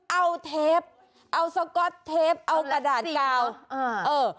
เอาเทปเอาสก๊อตเทปเอากระดาษกาวเออเออ